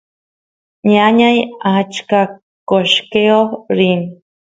ñañay achka qoshqeo rin